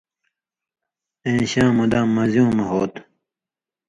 اېں شامُدام مزیُوں مہ ہو تھہ۔